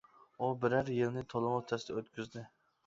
ئۇ بىرەر يىلنى تولىمۇ تەستە ئۆتكۈزدى.